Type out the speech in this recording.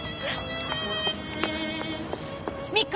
美香！